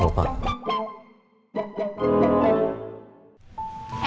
nanti aku kasih dobel deh ongkosnya ya